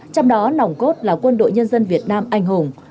trong đó nòng cốt là quân đội nhân dân việt nam anh hùng